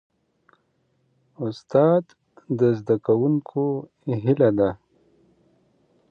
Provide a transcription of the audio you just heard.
استاد د زدهکوونکو هیله ده.